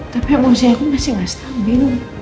tapi emosi aku masih gak stabil